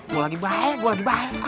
gue lagi baik gue lagi baik